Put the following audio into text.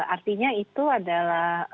artinya itu adalah